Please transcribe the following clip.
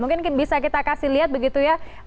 mungkin bisa kita kasih lihat begitu ya